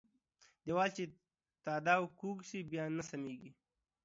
ديوال چې د تاداوه کوږ سو ، بيا نه سمېږي.